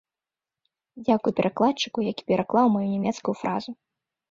Дзякуй перакладчыку, які пераклаў маю нямецкую фразу.